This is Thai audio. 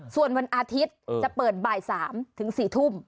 ส่วนวันอาทิตย์จะเปิดบ่าย๓ถึง๔ทุ่ม